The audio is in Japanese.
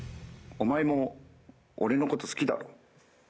お前も俺の事好きだろ。